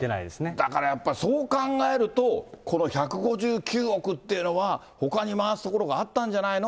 だから、やっぱりそう考えると、この１５９億というのは、ほかに回すところがあったんじゃないの？